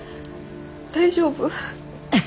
大丈夫？